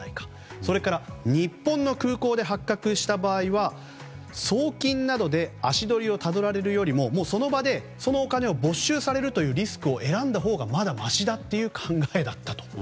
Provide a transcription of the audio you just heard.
それから日本の空港で発覚した場合は送金などで足取りをたどられるよりもその場でそのお金を没収されるというリスクを選んだほうがまだましだという考えだったと。